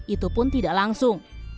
itu pun tidak langsung